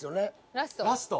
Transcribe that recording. ラスト。